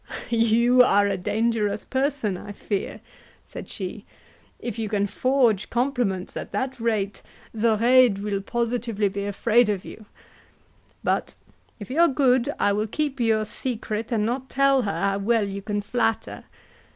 "You are a dangerous person, I fear," said she; "if you can forge compliments at that rate, Zoraide will positively be afraid of you; but if you are good, I will keep your secret, and not tell her how well you can flatter.